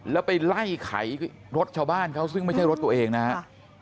แล้วไปไล่ไขรถชาวบ้านเขาซึ่งไม่ใช่รถตัวเองนะครับ